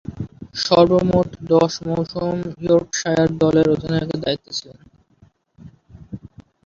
সর্বমোট দশ মৌসুম ইয়র্কশায়ার দলের অধিনায়কের দায়িত্বে ছিলেন।